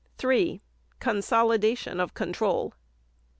3. _Consolidation of control.